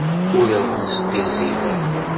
Ur awen-sqizzibeɣ.